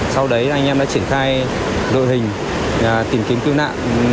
sau đấy anh em đã triển khai đội hình tìm kiếm cứu nạn